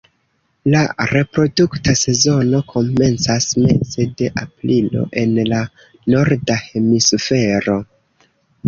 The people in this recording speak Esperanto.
La reprodukta sezono komencas meze de aprilo en la norda hemisfero.